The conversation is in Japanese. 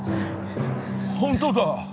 本当だ。